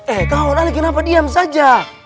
eh kawan ale kenapa diam saja